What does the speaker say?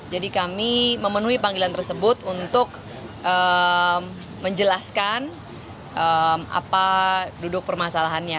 jadi kami memenuhi panggilan tersebut untuk menjelaskan apa duduk permasalahannya